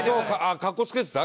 かっこつけてた？